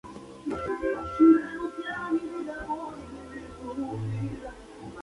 Lauzon perdió la pelea por sumisión en la segunda ronda.